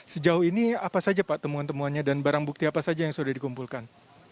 sejauh ini apa saja pak temuan temuannya dan barang bukti apa saja yang sudah dikumpulkan